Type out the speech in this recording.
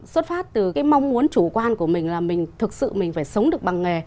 xuất phát từ cái mong muốn chủ quan của mình là mình thực sự mình phải sống được bằng nghề